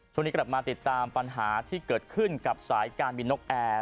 ช่วงนี้กลับมาติดตามปัญหาที่เกิดขึ้นกับสายการบินนกแอร์